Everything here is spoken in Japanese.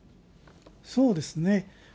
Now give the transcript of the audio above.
そうですね。